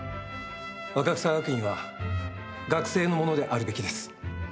若草学院は学生のものであるべきです。